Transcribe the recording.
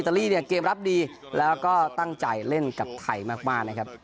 ลี่เนี่ยเกมรับดีแล้วก็ตั้งใจเล่นกับไทยมากนะครับ